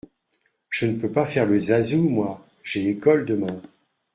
Je ne peux pas faire le zazou, moi, j’ai école, demain.